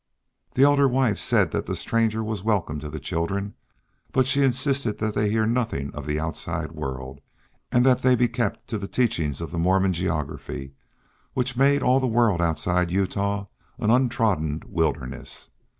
The elder wife said that the stranger was welcome to the children, but she insisted that they hear nothing of the outside world, and that they be kept to the teachings of the Mormon geography which made all the world outside Utah an untrodden wilderness.